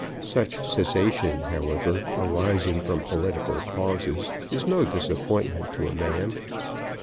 Such cessation, however, arising from political causes, is no disappointment to a man.